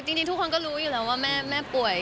จริงทุกคนก็รู้อยู่แล้วว่าแม่ป่วย